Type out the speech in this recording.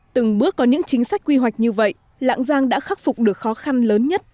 từng bước có những chính sách quy hoạch như vậy lạng giang đã khắc phục được khó khăn lớn nhất